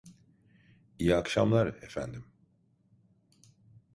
İyi akşamlar, efendim.